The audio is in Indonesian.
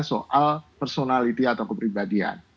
soal personality atau kepribadian